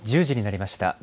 １０時になりました。